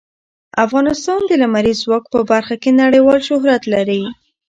افغانستان د لمریز ځواک په برخه کې نړیوال شهرت لري.